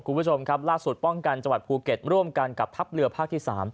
คุณผู้ชมครับล่าสุดป้องกันจังหวัดภูเก็ตร่วมกันกับทัพเรือภาคที่๓